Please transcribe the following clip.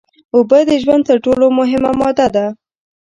اوبه د ژوند تر ټول مهمه ماده ده